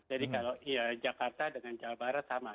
jadi kalau jakarta dengan jawa barat sama